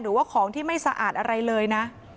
หรือว่าของที่ไม่สะอาดอะไรเลยนะ